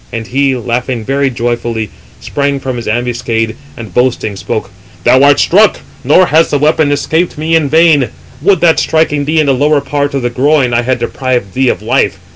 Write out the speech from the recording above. And he, laughing very joyfully, sprang from his ambuscade, and boasting, spoke: "Thou art struck, nor has the weapon escaped me in vain. Would that, striking thee in the lower part of the groin, I had deprived thee of life.